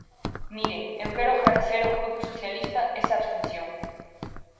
Miren, eu quero agradecer ao Grupo Socialista esa abstención.